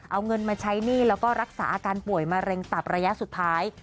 เอาเงินมาใช้หนี้แล้วก็รักษาอาการป่วยมะเร็งตับระยะสุดท้าย